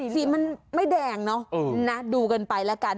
สีมันไม่แดงเนอะนะดูกันไปแล้วกัน